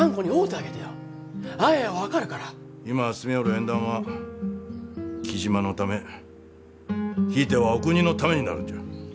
今進みょおる縁談は雉真のためひいてはお国のためになるんじゃ。